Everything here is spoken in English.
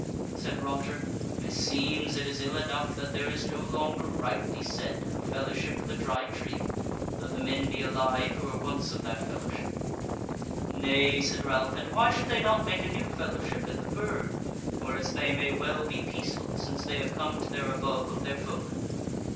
Said Roger, "Meseems it is ill enough that there is no longer, rightly said, a Fellowship of the Dry Tree, though the men be alive who were once of that fellowship." "Nay," said Ralph, "and why should they not make a new fellowship in the Burg, whereas they may well be peaceful, since they have come to their above of their foemen?"